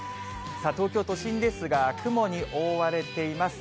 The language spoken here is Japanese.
さあ、東京都心ですが、雲に覆われています。